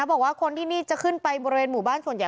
และก็คือว่าถึงแม้วันนี้จะพบรอยเท้าเสียแป้งจริงไหม